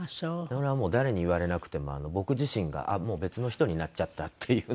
それはもう誰に言われなくても僕自身があっもう別の人になっちゃったっていう。